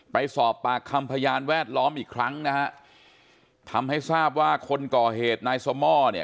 ไปสอบปากคำพยานแวดล้อมอีกครั้งนะฮะทำให้ทราบว่าคนก่อเหตุนายสม่อเนี่ย